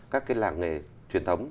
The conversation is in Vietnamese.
các làng nghề truyền thống